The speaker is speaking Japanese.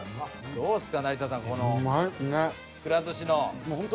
どうですか？